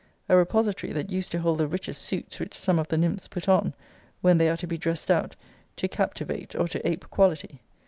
A repository, that used to hold the richest suits which some of the nymphs put on, when they are to be dressed out, to captivate, or to ape quality.